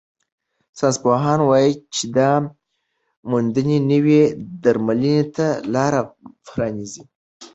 ساینسپوهان وايي چې دا موندنې نوې درملنې ته لار پرانیزي.